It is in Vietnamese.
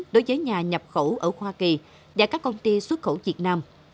đối với nhà nhập khẩu ở hoa kỳ và các công ty xuất khẩu việt nam